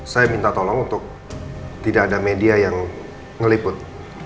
saya minta tolong untuk tidak ada media yang ngeliput